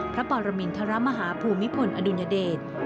พระปรมินทรมาฮาภูมิพลอดุลยเดช